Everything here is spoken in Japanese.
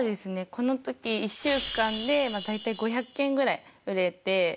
この時１週間で大体５００件ぐらい売れて。